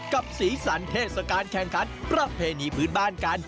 สีสันเทศกาลแข่งขันประเพณีพื้นบ้านกัน